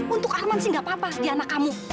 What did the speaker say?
untuk arman sih gak apa apa di anak kamu